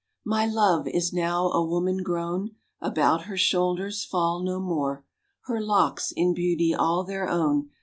My love is now a woman grown. About her shoulders fall no more Her locks, in beauty all their own.